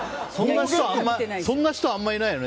そんな人あんまりいないよね。